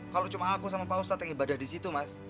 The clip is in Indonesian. kalau cuma aku sama pak ustadz yang ibadah di situ mas